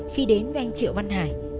khi đến với anh triệu văn hải